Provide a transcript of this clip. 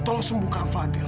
tolong sembuhkan fadil